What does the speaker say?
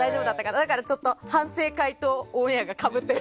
だから、ちょっと反省会とオンエアがかぶってる。